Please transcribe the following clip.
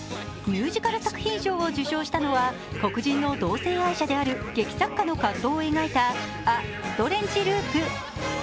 ミュージカル作品賞を受賞したのは黒人の同性愛者である劇作家の葛藤を描いた「ア・ストレンジ・ループ」。